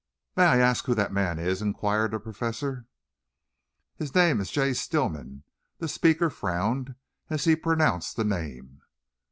"May I ask who the man is?" inquired the Professor. "His name is Jay Stillman." The speaker frowned as he pronounced the name.